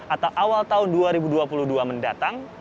atau awal tahun dua ribu dua puluh dua mendatang